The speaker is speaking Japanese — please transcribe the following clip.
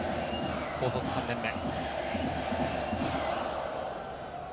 高卒３年目。